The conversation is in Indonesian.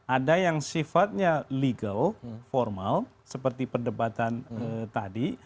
ada yang sifatnya legal formal seperti perdebatan tadi